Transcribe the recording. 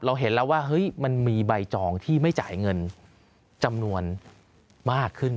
เราเห็นแล้วว่ามันมีใบจองที่ไม่จ่ายเงินจำนวนมากขึ้นมากขึ้น